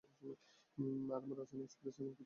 আরে আমার, রাজধানী এক্সপ্রেস, এমন কিচ্ছু হবে না।